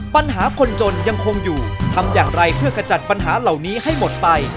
ปัญหาคนจนยังคงอยู่ทำอย่างไรเพื่อขจัดปัญหาเหล่านี้ให้หมดไป